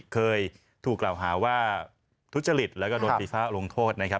เคยถูกกล่าวหาว่าทุจริตแล้วก็โดนฟีฟ้าลงโทษนะครับ